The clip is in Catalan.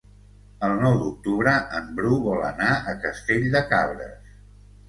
El nou d'octubre en Bru vol anar a Castell de Cabres.